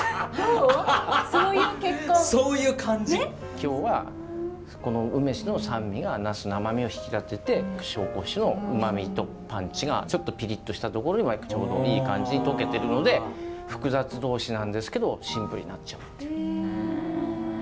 今日は梅酒の酸味がナスの甘みを引き立てて紹興酒のうまみとパンチがちょっとピリッとしたところではちょうどいい感じに溶けてるので複雑同士なんですけどシンプルになっちゃうっていう。